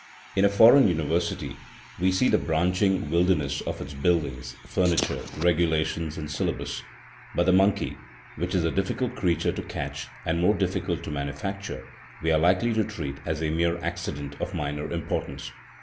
In a foreign University we see the branching wildernesses of its buildings, furniture, regulations, and syllabus, but the monkey, which is a difficult creature to catch and more difficult to manufacture, we are likely to treat as a mere accident of minor importance.